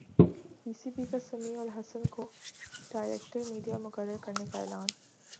پی C B کا سمیع الحسن کو director media مقرر کرنے کا اعلان